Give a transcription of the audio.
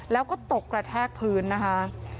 แล้วก็ตกกระแทกพื้นนะคะ